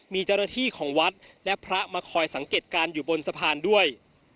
มีเจ้าหน้าที่ของวัดและพระมาคอยสังเกตการณ์อยู่บนสะพานด้วย